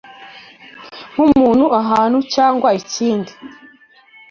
nku muntu, ahantu cyangwa ikindi